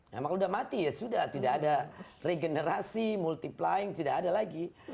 nah kalau sudah mati ya sudah tidak ada regenerasi multiplying tidak ada lagi